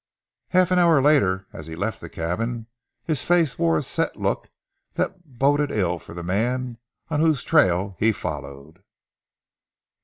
Half an hour later as he left the cabin his face wore a set look that boded ill for the man on whose trail he followed.